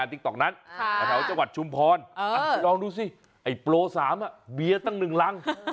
อาทาราชาวัดชุมพรลองดูสิไอ้โปร๓บี๊ยะตั้งหนึ่งรัง